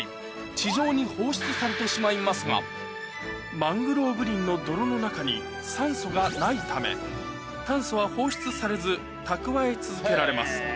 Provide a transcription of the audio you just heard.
地上に放出されてしまいますがマングローブ林の泥の中に酸素がないため炭素は放出されず蓄え続けられます